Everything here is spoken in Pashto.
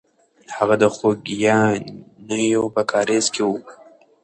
هغه د خوګیاڼیو په کارېز کې وه.